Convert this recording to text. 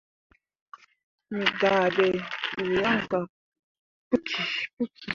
Me dahɓɓe buu yan gah puki.